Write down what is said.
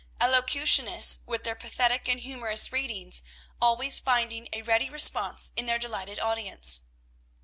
Elocutionists, with their pathetic and humorous readings, always finding a ready response in their delighted audience.